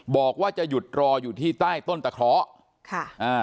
บอกว่าจะหยุดรออยู่ที่ใต้ต้นตะเคาะ